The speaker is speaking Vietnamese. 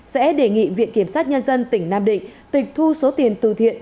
sẽ đề nghị viện kiểm sát nhân dân tỉnh nam định tịch thu số tiền từ thiện